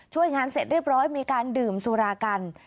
ช่วยงานเสร็จเรียบร้อยมีการดื่มสุรากัน